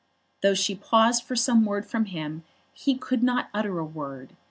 Though she paused for some word from him he could not utter a word.